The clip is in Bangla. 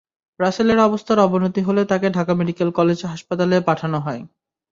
রাসেলের অবস্থার অবনতি হলে তাঁকে ঢাকা মেডিকেল হলেজ হাসপাতালে পাঠানো হয়।